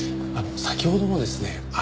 あの先ほどのですね